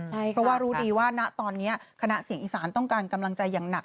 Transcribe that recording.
เพราะว่ารู้ดีว่าณตอนนี้คณะเสียงอีสานต้องการกำลังใจอย่างหนัก